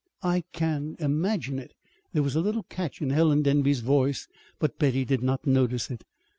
"I can imagine it!" There was a little catch in Helen Denby's voice, but Betty did not notice it.